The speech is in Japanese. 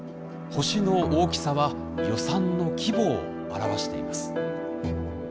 星の大きさは予算の規模を表しています。